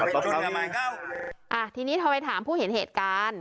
ที่ทีนี้เท้าไปถามผู้เห็นเหตุการณ์